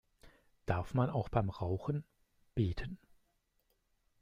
Darf man auch beim Rauchen beten?